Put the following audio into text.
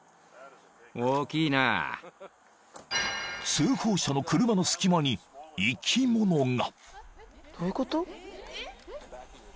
［通報者の車の隙間に生き物が］